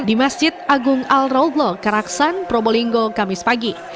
di masjid agung al roglo karaksan perbolinggo kamis pagi